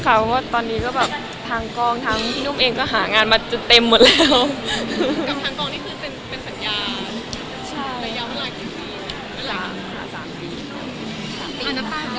เพราะว่าตอนนี้ก็แบบทางกองทางพี่นุ่มเองก็หางานมาจนเต็มหมดแล้ว